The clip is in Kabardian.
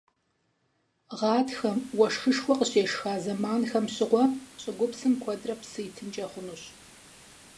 Гъатхэм, уэшхышхуэ къыщешха зэманхэм щыгъуэ щӀыгупсым куэдрэ псы итынкӀэ хъунущ.